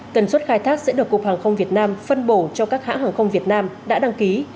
tần suất khai thác sẽ được cục hàng không việt nam phân bổ cho các hãng hàng không việt nam đã đăng ký